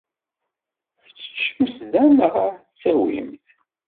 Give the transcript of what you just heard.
Ad t-teččemt da neɣ ad t-tawimt?